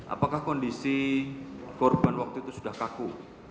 apakah kondisi korban waktu itu sudah kaku